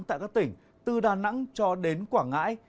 tại các tỉnh từ đà nẵng cho đến quảng ngãi